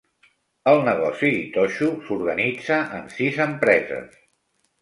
El negoci d'Itochu s'organitza en sis empreses.